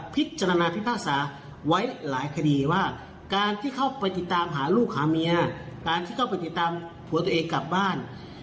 พิจารณาพิพากษาไว้หลายคดีว่าการที่เข้าไปติดตามหาลูกหาเมียการที่เข้าไปติดตามผัวตัวเองกลับบ้าน